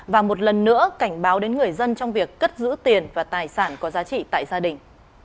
và một lần nữa cảnh báo đến người dân trong việc cất giữ tiền và tài sản có giá trị tại gia đình